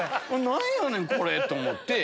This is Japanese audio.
何やねん⁉これ！と思って。